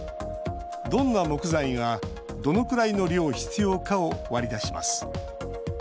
どんな木材がどのくらいの量、必要かを割り出します。